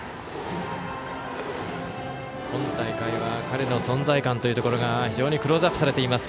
今大会は彼の存在感というところが非常にクローズアップされています。